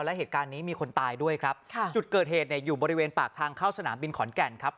และเหตุการณ์นี้มีคนตายด้วยครับค่ะจุดเกิดเหตุเนี่ยอยู่บริเวณปากทางเข้าสนามบินขอนแก่นครับ